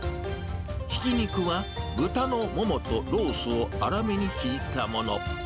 ひき肉は、豚のももとロースを粗めにひいたもの。